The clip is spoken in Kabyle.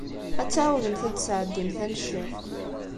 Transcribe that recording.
Ad tɛawdemt ad d-tesɛeddimt aneccaf.